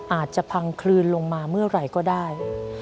อาจจะพังคลืนลงมาเมื่อไหร่ก็ได้